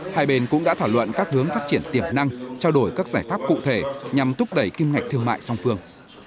hai bên cũng đã thảo luận các hướng phát triển tiềm năng trao đổi các giải pháp cụ thể nhằm thúc đẩy kim ngạch thương mại song phương